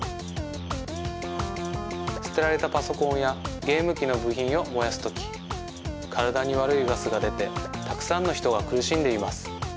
すてられたパソコンやゲームきのぶひんをもやすときからだにわるいガスがでてたくさんのひとがくるしんでいます。